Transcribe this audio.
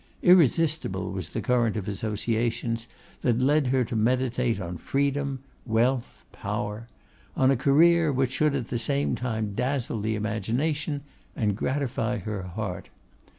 Irresistible was the current of associations that led her to meditate on freedom, wealth, power; on a career which should at the same time dazzle the imagination and gratify her heart.